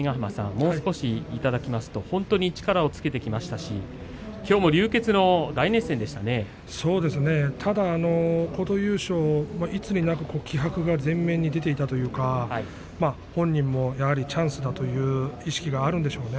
もう少しいただきますと本当に力をつけてきましたしただ、琴裕将、いつになく気迫が前面に出ていたというか本人もチャンスだという意識があるんでしょうね。